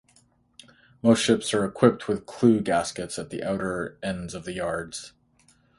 Most ships are equipped with "clew gaskets" at the outer ends of the yards.